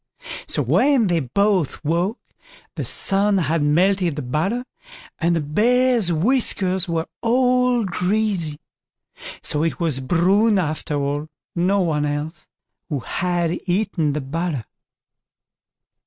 So when they both woke, the sun had melted the butter, and the Bear's whiskers were all greasy; and so it was Bruin after all, and no one else, who had eaten the butter.